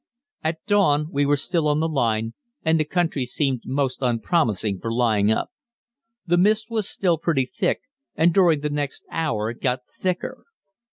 At dawn we were still on the line, and the country seemed most unpromising for lying up. The mist was still pretty thick, and during the next hour it got thicker.